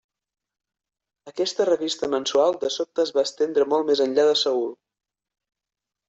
Aquesta revista mensual de sobte es va estendre molt més enllà de Seül.